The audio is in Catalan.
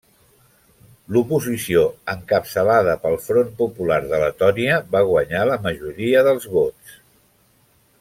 L'oposició, encapçalada pel Front Popular de Letònia va guanyar la majoria dels vots.